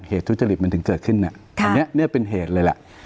ทุจริตมันถึงเกิดขึ้นเนี่ยอันนี้เป็นเหตุเลยแหละ